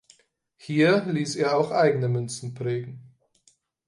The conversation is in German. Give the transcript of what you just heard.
Hier ließ er auch eigene Münzen prägen.